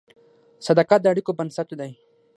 صداقت د اړیکو بنسټ دی.